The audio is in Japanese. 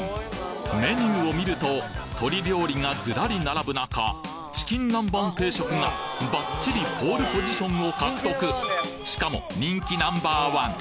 メニューを見ると鶏料理がズラリ並ぶ中チキンナンバン定食がバッチリポールポジションを獲得しかも人気ナンバーワン